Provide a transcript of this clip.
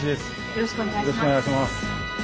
よろしくお願いします。